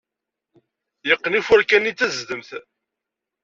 Yeqqen ifurka-nni d tazdemt.